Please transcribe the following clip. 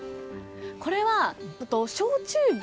これは焼酎瓶。